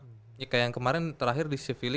kayak yang kemarin terakhir di sevili